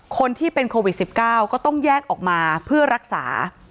คนที่เป็นโควิด๑๙ก็ต้องแยกออกมาเพื่อรักษา